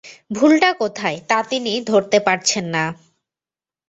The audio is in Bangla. ভুলটা কোথায়, তা তিনি ধরতে পারছেন না।